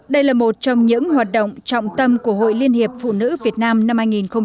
đây là một trong những hoạt động trọng tâm của hội liên hiệp phụ nữ việt nam năm hai nghìn một mươi chín